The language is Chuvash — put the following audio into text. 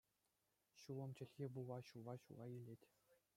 Ҫулӑм чӗлхи вулла ҫула-ҫула илет.